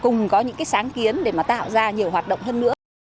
cùng có những sáng kiến để tạo ra nhiều hoạt động hơn nữa